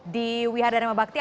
di wihara darima bakti